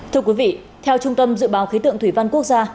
thưa quý vị theo trung tâm dự báo khí tượng thủy văn quốc gia